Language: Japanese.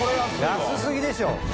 安すぎでしょ！